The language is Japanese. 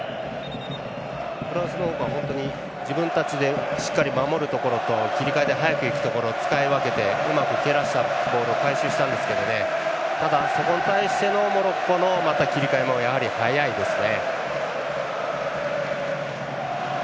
フランスの方は、本当に自分たちでしっかり守るところと切り替えで、早くいくところを使い分けてうまく蹴らしたボールを回収したんですけどそこに対してのモロッコの切り替えもやはり早いですね。